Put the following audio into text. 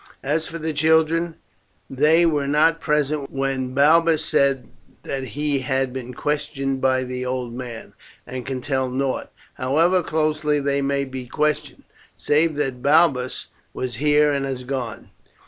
As for the children, they were not present when Balbus said that he had been questioned by the old man, and can tell nought, however closely they may be questioned, save that Balbus was here and has gone."